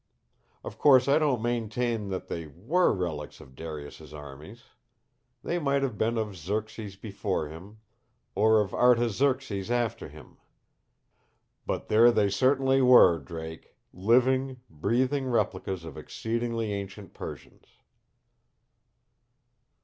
Of course, I don't maintain that they WERE relics of Darius's armies. They might have been of Xerxes before him or of Artaxerxes after him. But there they certainly were, Drake, living, breathing replicas of exceedingly ancient Persians.